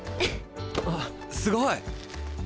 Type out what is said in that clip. あっすごい！